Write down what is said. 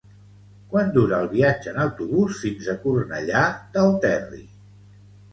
Quant dura el viatge en autobús fins a Cornellà del Terri?